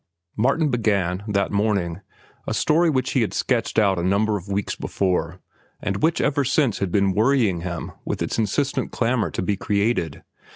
Martin began, that morning, a story which he had sketched out a number of weeks before and which ever since had been worrying him with its insistent clamor to be created.